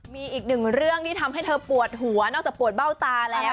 มีอีกหนึ่งเรื่องที่ทำให้เธอปวดหัวนอกจากปวดเบ้าตาแล้ว